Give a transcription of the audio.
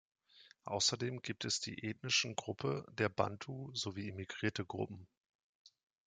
Außerdem gibt es die ethnischen Gruppe der Bantu sowie immigrierte Gruppen.